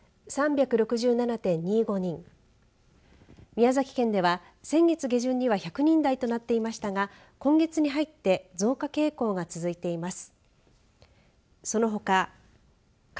宮崎県では先月下旬には１００人台となっていましたが今月に入って増加傾向が続いています。